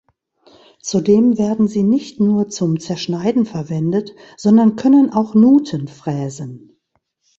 Zudem werden sie nicht nur zum Zerschneiden verwendet, sondern können auch Nuten fräsen.